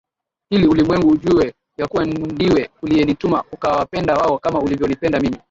ili ulimwengu ujue ya kuwa ndiwe uliyenituma ukawapenda wao kama ulivyonipenda mimi